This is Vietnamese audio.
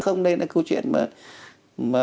không đây là câu chuyện mà